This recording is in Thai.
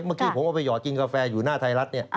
เมื่อกี้ผมเอาไปหอดกินกาแฟอยู่หน้าไทยรัฐเนี่ย